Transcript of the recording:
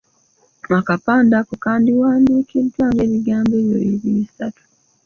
Akapande ako kandiwandiikiddwa nga ebigambo ebyo biri bisatu.